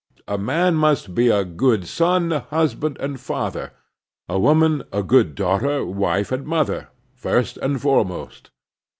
A man must be a good son, husband, and father, a woman a good daughter, wife, and mother, first and foremost.